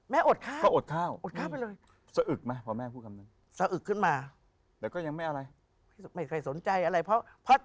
แม่อดข้าว